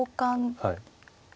はい。